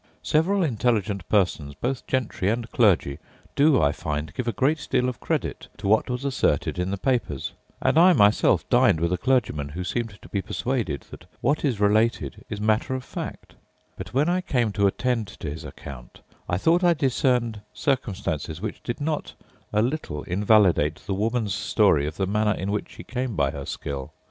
Several intelligent persons, both gentry and clergy, do, I find, give a great deal of credit to what was asserted in the papers: and I myself dined with a clergyman who seemed to be persuaded that what is related is matter of fact; but, when I came to attend to his account, I thought I discerned circumstances which did not a little invalidate the woman's story of the manner in which she came by her skill.